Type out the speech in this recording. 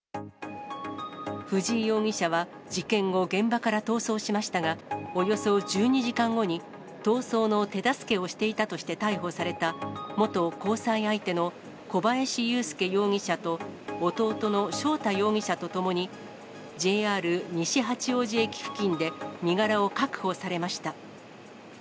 藤井容疑者は事件後、現場から逃走しましたが、およそ１２時間後に、逃走の手助けをしていたとして逮捕された、元交際相手の小林優介容疑者と弟の翔太容疑者と共に、ＪＲ西八王子駅付近で身柄を確保されました。